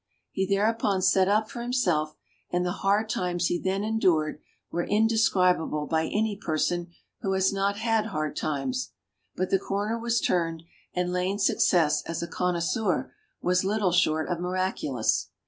He thereupon set up for himself, and the hard times he then endured were inde scribable by any person who has not had hard times. But the comer was turned, and Lane's success as a con noisseur was little short of miraculous.